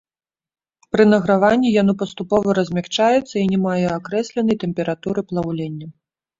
Пры награванні яно паступова размякчаецца і не мае акрэсленай тэмпературы плаўлення.